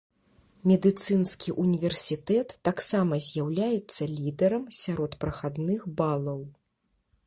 Медыцынскі універсітэт таксама з'яўляецца лідэрам сярод прахадных балаў.